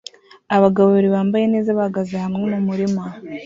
abagabo babiri bambaye neza bahagaze hamwe mumurima